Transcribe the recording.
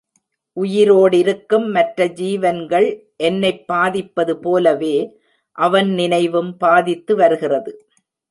உயிரோடிருக்கும் மற்ற ஜீவன்கள் என்னைப் பாதிப்பது போலவே, அவன் நினைவும் பாதித்து வருகிறது.